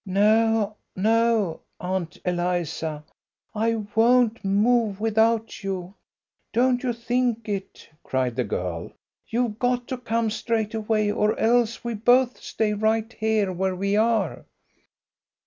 "No, no, Aunt Eliza; I won't move without you! Don't you think it!" cried the girl. "You've got to come straight away or else we both stay right here where we are."